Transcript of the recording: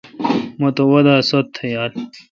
مہ تہ وادہ ست تہ یال۔